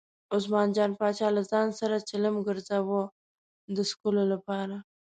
عثمان جان پاچا له ځان سره چلم ګرځاوه د څکلو لپاره.